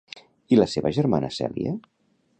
I la seva germana Cèlia?